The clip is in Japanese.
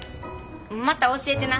また教えてな。